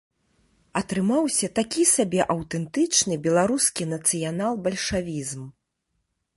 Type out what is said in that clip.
Атрымаўся такі сабе аўтэнтычны беларускі нацыянал-бальшавізм.